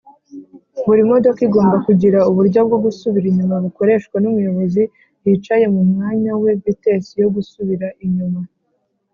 buri modoka igomba kugira uburyo bwo gusubira inyuma bukoreshwa n’umuyobozi yicayemumwanyawe vitesse yogusubira inyuma